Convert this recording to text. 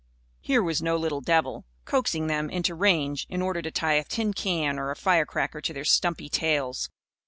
Here was no little devil, coaxing them into range in order to tie a tin can or a firecracker to their stumpy tails.